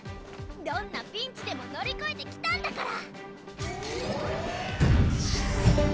どんなピンチでも乗り越えてきたんだから！